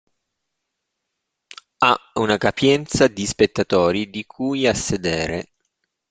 Ha una capienza di spettatori, di cui a sedere.